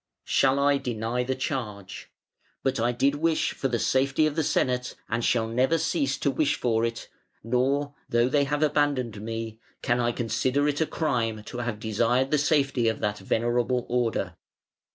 Shall I deny the charge? But I did wish for the safety of the Senate and shall never cease to wish for it, nor, though they have abandoned me, can I consider it a crime to have desired the safety of that venerable order.